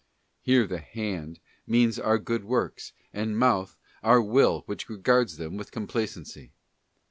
'* Here the 'hand' means our good works, and ' mouth' our will which regards them with complacency.